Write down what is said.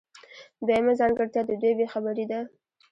دویمه ځانګړتیا د دوی بې خبري ده.